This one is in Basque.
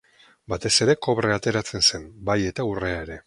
Batez ere kobrea ateratzen zen, bai eta urrea ere.